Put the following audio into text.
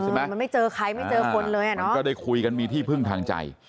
ใช่ไหมไม่เจอใครไม่เจอคนเลยมันก็ได้คุยกันมีที่เพิ่งทางใจ